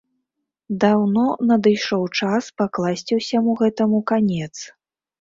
Даўно надышоў час пакласці ўсяму гэтаму канец.